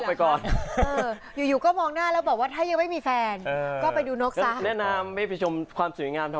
อยู่ก็เจ้ามองหน้าแล้วเเบาะว่าถ้ายังไม่มีแฟน